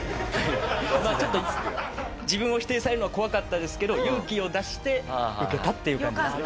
まあちょっと自分を否定されるのは怖かったですけど勇気を出して受けたっていう感じですね。